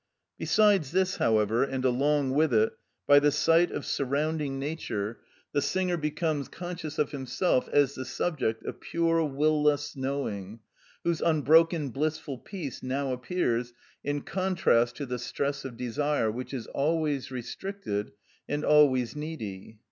Besides this, however, and along with it, by the sight of surrounding nature, the singer becomes conscious of himself as the subject of pure, will less knowing, whose unbroken blissful peace now appears, in contrast to the stress of desire which is always restricted and always needy.